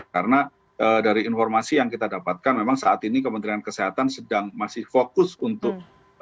karena dari informasi yang kita dapatkan memang saat ini kementerian kesehatan sedang masih fokus untuk